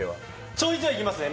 ちょいちょい行きますね。